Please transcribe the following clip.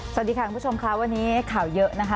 สวัสดีค่ะคุณผู้ชมค่ะวันนี้ข่าวเยอะนะคะ